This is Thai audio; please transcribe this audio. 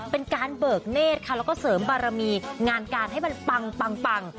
เป็นการเบิกเนธค่ะแล้วก็เสริมบารมีงานการให้มันปัง